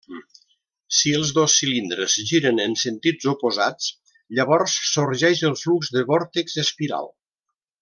Si els dos cilindres giren en sentits oposats, llavors sorgeix el flux de vòrtex espiral.